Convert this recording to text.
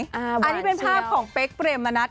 อ่าหวานเชียวอันนี้เป็นภาพของเป๊กเปรมมณัฏ